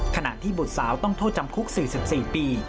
ขณะที่บุตรสาวต้องโทษจำคุก๔๔ปี